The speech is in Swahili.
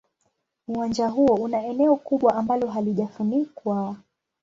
Uwanja huo una eneo kubwa ambalo halijafunikwa.